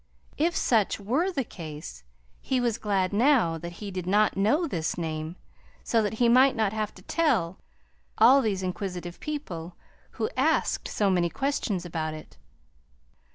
If such were the case, he was glad now that he did not know this name, so that he might not have to tell all these inquisitive people who asked so many questions about it.